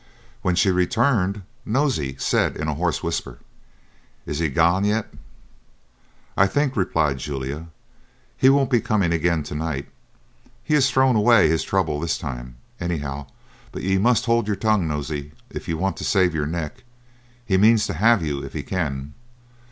When she returned, Nosey said, in a hoarse whisper: "Is he gan yet?" "I think," replied Julia, "he won't be coming again to night. He has thrown away his trouble this time, anyhow; but ye must hould your tongue, Nosey, if ye want to save your neck; he means to have you if he can."